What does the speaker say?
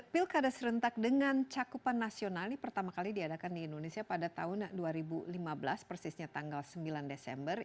pilkada serentak dengan cakupan nasional ini pertama kali diadakan di indonesia pada tahun dua ribu lima belas persisnya tanggal sembilan desember